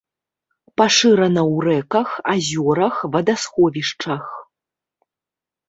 Пашырана ў рэках, азёрах, вадасховішчах.